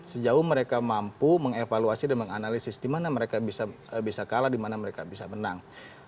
sejauh mereka mampu mengevaluasi dan menganalisis di mana mereka bisa kalah di mana mereka bisa menang